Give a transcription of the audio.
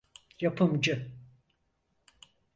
Yapımcı…